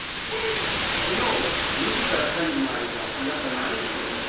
きのう２時から３時の間あなた何してました？